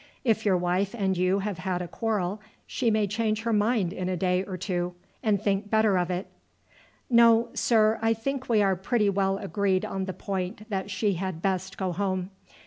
If your wife and you have had a quarrel she may change her mind in a day or two, and think better of it." "No, sir; I think we are pretty well agreed on the point that she had best go home.